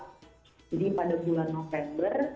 jadi pada bulan november